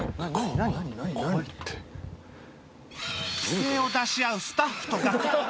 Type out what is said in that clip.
奇声を出し合うスタッフとガク